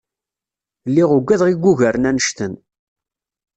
Lliɣ ugadeɣ i yugaren annect-en.